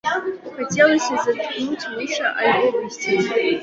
Хацелася заткнуць вушы альбо выйсці.